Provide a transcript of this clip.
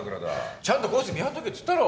ちゃんとこいつ見張っとけつったろ。